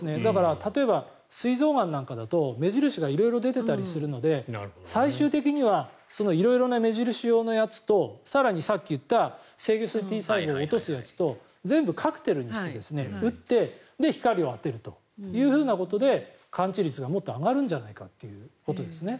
例えばすい臓がんなんかだと目印が色々出ていたりするので最終的には色々な目印用のやつと更に、さっき言った制御性Ｔ細胞を落とすやつと全部カクテルにして打って光を当てるということで完治率がもっと上がるんじゃないかということですね。